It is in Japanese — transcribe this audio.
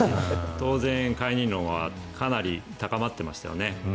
当然、解任論はかなり高まっていましたよね。